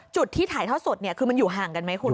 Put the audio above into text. จุดที่ถ่ายทอดสดเนี่ยคือมันอยู่ห่างกันไหมคุณ